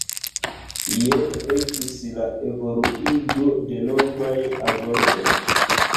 Jen ekis la evoluigo de novaj agordoj.